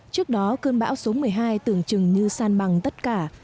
trước đó cơn bão số một mươi hai tưởng chừng như san bằng tất cả